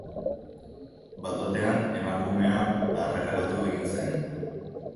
Bat-batean emakumea arrakalatu egin zen.